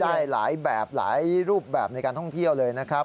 ได้หลายแบบหลายรูปแบบในการท่องเที่ยวเลยนะครับ